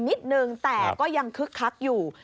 นิดนึงแต่ก็ยังคึกคักอยู่